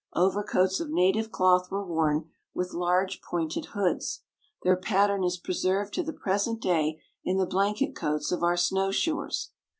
Overcoats of native cloth were worn, with large, pointed hoods. Their pattern is preserved to the present day in the blanket coats of our snow shoers.